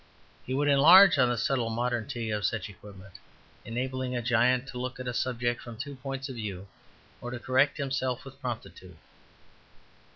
He would enlarge on the subtle modernity of such an equipment, enabling a giant to look at a subject from two points of view, or to correct himself with promptitude.